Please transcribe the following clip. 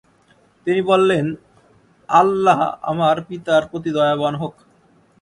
তিনি বলেন, আল্লাহ আমার পিতার প্রতি দয়াবান হোক।